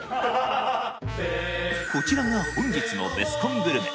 こちらが本日のベスコングルメ